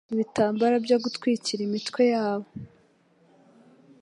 ibitambaro byo gutwikira imitwe yabo